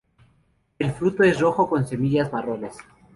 El fruto es rojo con semillas marrones.